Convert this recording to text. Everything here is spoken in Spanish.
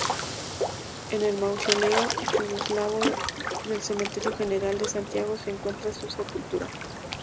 En el mausoleo yugoslavo del Cementerio General de Santiago se encuentra su sepultura.